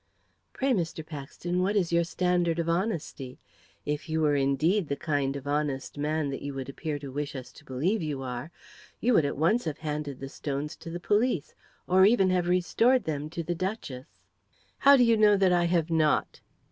"Pray, Mr. Paxton, what is your standard of honesty? If you were indeed the kind of honest man that you would appear to wish us to believe you are, you would at once have handed the stones to the police, or even have restored them to the duchess." "How do you know that I have not?"